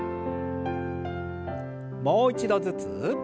もう一度ずつ。